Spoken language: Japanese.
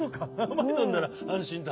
まいどんならあんしんだ。